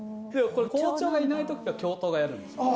これ校長がいない時は教頭がやるんですよ